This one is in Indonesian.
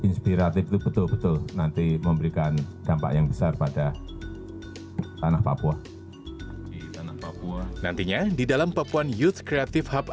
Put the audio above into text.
nantinya di dalam papuan youth creative hub